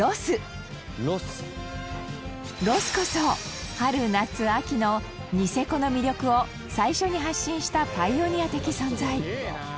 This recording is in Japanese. ロスこそ春、夏、秋のニセコの魅力を最初に発信したパイオニア的存在